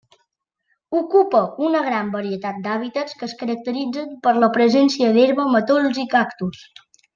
Ocupa una gran varietat d'hàbitats que es caracteritzen per la presència d'herba, matolls i cactus.